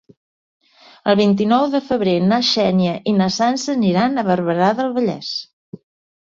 El vint-i-nou de febrer na Xènia i na Sança aniran a Barberà del Vallès.